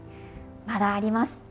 まだあります。